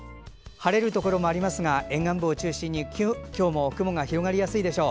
晴れるところもありますが沿岸部を中心に雲が広がりやすいでしょう。